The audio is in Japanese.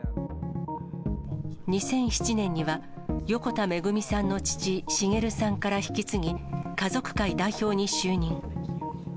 ２００７年には、横田めぐみさんの父、滋さんから引き継ぎ、家族会代表に就任。